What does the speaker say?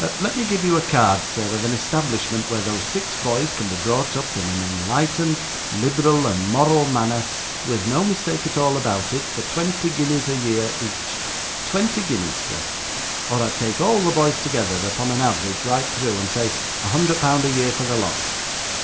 Let me give you a card, sir, of an establishment where those six boys can be brought up in an enlightened, liberal, and moral manner, with no mistake at all about it, for twenty guineas a year each twenty guineas, sir or I'd take all the boys together upon a average right through, and say a hundred pound a year for the lot.